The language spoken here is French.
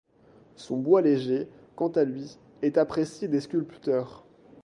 Son bois léger quant à lui est apprécié des sculpteurs.